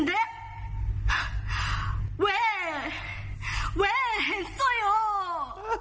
ทำไมทำไมทำไม